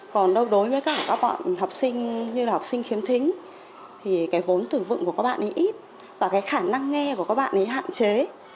còn đối với cả các bạn học sinh như là học sinh khiếm thính thì cái vốn tử vựng của các bạn ấy ít và cái khả năng nghe của các bạn ấy hạn chế